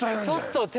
ちょっと！